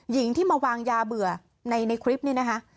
หญิงที่มาวางยาเบื่อในคลิปนี้นะคะ